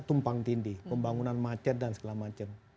tumpang tindih pembangunan macet dan segala macam